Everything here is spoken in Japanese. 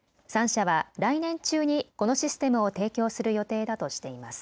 ３社は来年中にこのシステムを提供する予定だとしています。